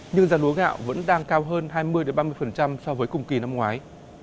nhưng giá lúa gạo vẫn đang cao hơn hai mươi ba mươi so với cùng kỳ năm ngoái